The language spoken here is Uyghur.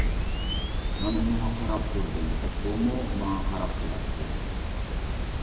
مەن ئۇنىڭغا قاراپ تۇردۇم ئۇمۇ ماڭا قاراپ تۇراتتى.